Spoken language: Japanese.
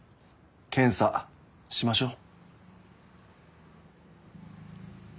検査しましょう。